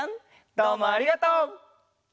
どうもありがとう！